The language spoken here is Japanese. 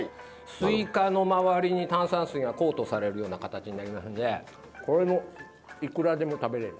すいかの周りに炭酸水がコートされるような形になりますんでこれはいくらでも食べれる。